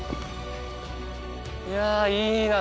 いやいいな。